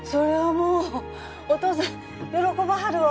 もうお父さん喜ばはるわ